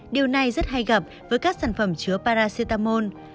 điều này rất hay gặp với các sản phẩm chứa paracetamol